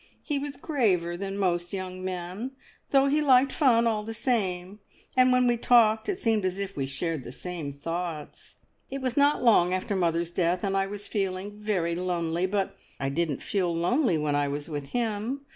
He was graver than most young men, though he liked fun all the same, and when we talked it seemed as if we shared the same thoughts. It was not long after mother's death, and I was feeling very lonely, but I didn't feel lonely when I was with him.